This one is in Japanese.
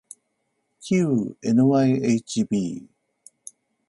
きう ｎｙｈｂ